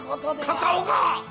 片岡！